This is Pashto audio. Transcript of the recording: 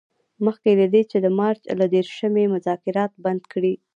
مخکې له دې چې د مارچ له دیرشمې مذاکرات بند کړي.